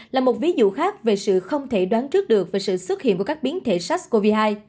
là một ví dụ khác về sự không thể đoán trước được về sự xuất hiện của các biến thể sars cov hai